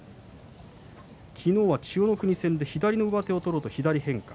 昨日の千代の国戦左の上手を取ろうと左変化